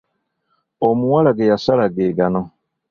Omuwala ge yasala ge gano.